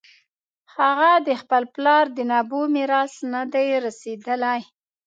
هغه د خپل پلار د نبوغ میراث نه دی رسېدلی.